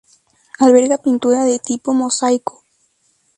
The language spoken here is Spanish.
Alberga pintura de tipo mosaico.